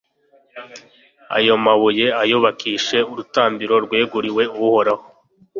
Ayo mabuye ayubakisha urutambiro rweguriwe Uhoraho